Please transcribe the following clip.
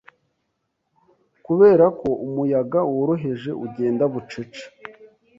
Kuberako umuyaga woroheje ugenda Bucece